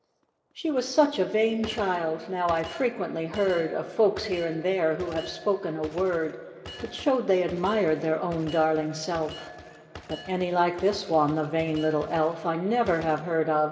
S HE was such a vain child ! How, I've frequently heard Of folks here and there who have spoken a word That showed they admired their own darling self; But any like this one — the vain little elf — I never have heard of!